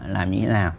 làm những cái nào